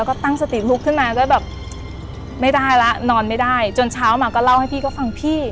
แล้วก็ตั้งสติลุกขึ้นมาก็แบบไม่ได้แล้วนอนไม่ได้จนเช้ามาก็เล่าให้พี่ก็ฟังพี่